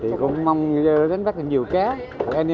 thì cũng mong đánh bắt được nhiều cá